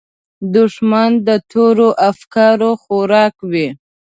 دښمن د تورو افکارو خوراک وي